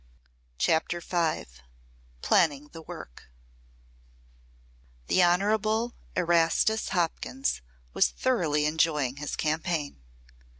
CHAPTER V PLANNING THE WORK The Honorable Erastus Hopkins was thoroughly enjoying his campaign.